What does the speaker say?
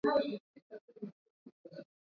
Mzazi wake anajuta sana.